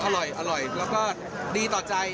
อร่อยแล้วก็ดีต่อใจ